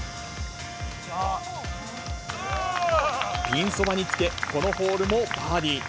ピンそばにつけ、このホールもバーディー。